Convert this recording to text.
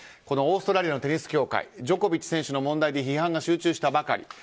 オーストラリアのテニス協会ジョコビッチ選手の問題で批判が集中したばかり。